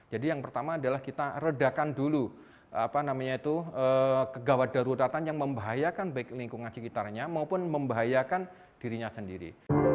jadi yang pertama adalah kita redakan dulu kegawat daruratan yang membahayakan baik lingkungan sekitarnya maupun membahayakan dirinya sendiri